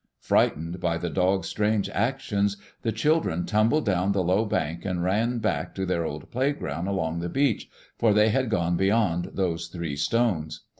Frightened by the dog's strange actions, the children tumbled down the low bank and ran back to their old playground along the beach, for they had gone beyond those three stones.